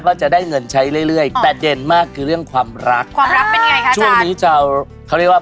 ก็จะได้เงินใช้เรื่อยแต่เด่นมากคือเรื่องความรักครับเป็นไงช่วงยี่กาวเขาเรียกว่า